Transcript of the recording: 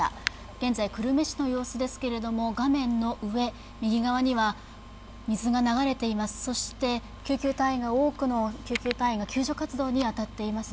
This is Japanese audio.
現在、久留米市の様子ですけれども画面の上、右側には水が流れています、そして多くの救急隊員が救助活動をしています。